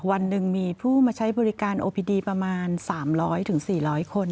วันหนึ่งมีผู้มาใช้บริการโอพีดีประมาณสามร้อยถึงสี่ร้อยคน